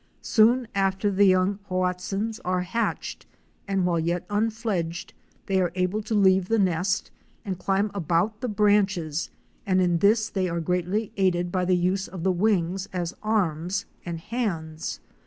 Soon after the young Hoatzins are hatched and while yet unfledged they are able to leave the nest and climb about the branches, and in this they are greatly aided by the use of the wings as arms and hands.